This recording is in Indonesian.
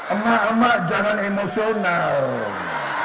emak emak jangan emosional